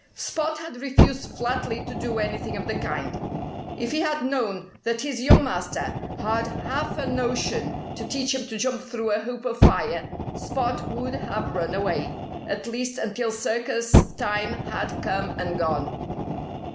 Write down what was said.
Spot had refused flatly to do anything of the kind. If he had known that his young master had half a notion to teach him to jump through a hoop of fire Spot would have run away at least until circus time had come and gone.